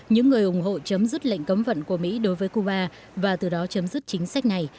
những người ủng hộ chấm dứt lệnh cấm vận của mỹ đối với cuba và từ đó chấm dứt chính sách này